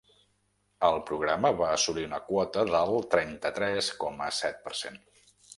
El programa va assolir una quota del trenta-tres coma set per cent.